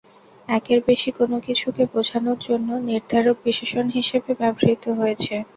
একের বেশি কোনো কিছুকে বোঝানোর জন্য নির্ধারক বিশেষণ হিসেবে ব্যবহূত হয়েছে।